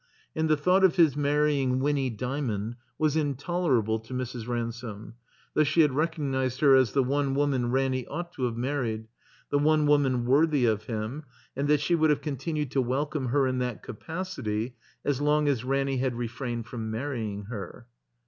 And the thought of his marrying Winny Dymond was intolerable to Mrs. Ransome, though she had recognized her as the one woman Ranny ought to have married, the one woman worthy of him, and she wotdd have continued to wel come her in that capacity as long as Ranny had re frained from manying her.